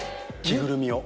着ぐるみを。